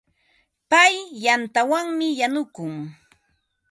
Pay yantawanmi yanukun.